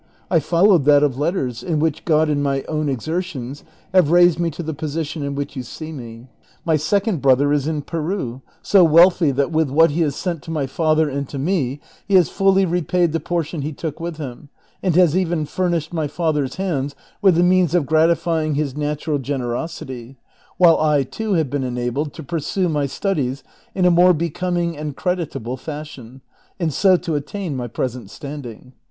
I followed that of letters, in which God and my own exertions have raised me to the posi tion in which yon see me. My second brother is in Peru, so wealthy that with what he has sent to my father and to me he has fully repaid the portion he took with him, and has even, furnished my father's hands with the means of gratifying his natural generosity, while I too have been enabled to pursue my studies in a more becoming and creditable fashion, and so to attain my present standing.